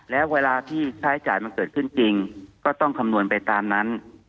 แล้วเวลาที่ใช้จ่ายมันเกิดขึ้นจริงก็ต้องคำนวณไปตามนั้น